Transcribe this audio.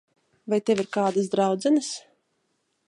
Vai tev ir kādas draudzenes?